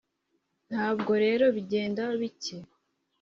Ntabwo rero bigenda bike